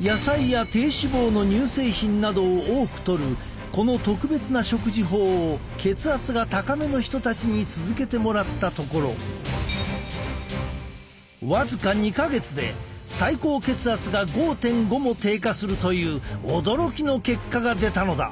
野菜や低脂肪の乳製品などを多くとるこの特別な食事法を血圧が高めの人たちに続けてもらったところ僅か２か月で最高血圧が５．５も低下するという驚きの結果が出たのだ！